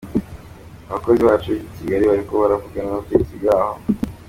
Abakozi bacu b'i Kigali bariko baravugana n'ubutegetsi bwaho.